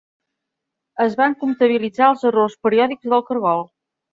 Es van comptabilitzar els errors periòdics del cargol.